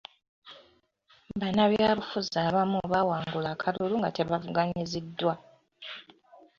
Bannabyabufuzi abamu bawangula akalulu nga tebavuganyiziddwa.